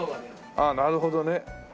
ああなるほどね。